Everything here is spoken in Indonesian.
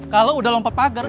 kalau udah lompat pagar